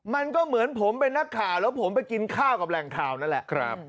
มันก็เหมือนผมเป็นนักข่าวแล้วผมไปกินข้าวกับแหล่งข่าวนั่นแหละ